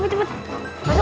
kita buang aja